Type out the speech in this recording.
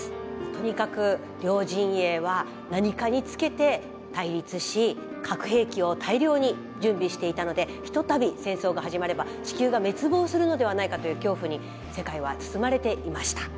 とにかく両陣営は何かにつけて対立し核兵器を大量に準備していたので一たび戦争が始まれば地球が滅亡するのではないかという恐怖に世界は包まれていました。